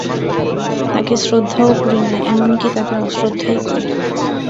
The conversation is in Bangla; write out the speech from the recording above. তাঁকে শ্রদ্ধাও করি নে, এমন-কি তাঁকে অশ্রদ্ধাই করি।